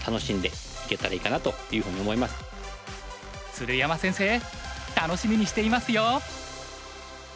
鶴山先生楽しみにしていますよ！